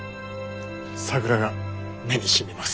桜が目にしみます。